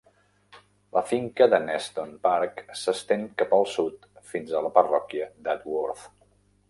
La finca de Neston Park s'estén cap al sud fins a la parròquia d'Atworth.